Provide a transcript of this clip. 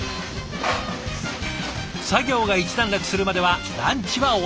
作業が一段落するまではランチはお預け。